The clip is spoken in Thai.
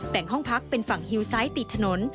แต่งห้องพักเป็นฝั่งฮิวไซต์ติดถนน